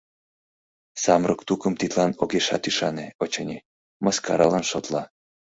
Самырык тукым тидлан огешат ӱшане, очыни, мыскаралан шотла.